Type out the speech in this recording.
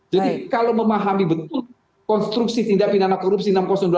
jadi kalau memahami betul konstruksi tindakan pidana korupsi enam ratus dua enam ratus tiga